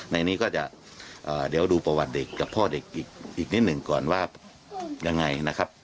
ในนี้ก็จะเดี๋ยวดูประวัติเด็กกับพ่อเด็กอีกนิดหนึ่งก่อนว่ายังไงนะครับ